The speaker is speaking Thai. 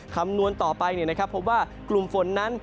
คำนวณต่อไปเนี่ยนะครับพบว่ากลุ่มฝนนั้น